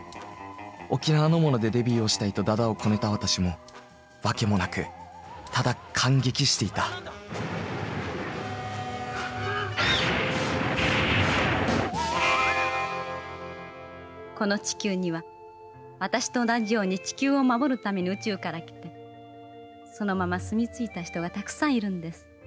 沖縄のものでデビューをしたいとだだをこねた私も訳もなくただ感激していたこの地球には私と同じように地球を守るために宇宙から来てそのまま住み着いた人がたくさんいるんです。